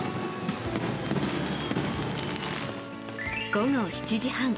午後７時半。